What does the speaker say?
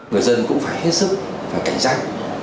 người dân cũng phải hết sức phải cảnh giác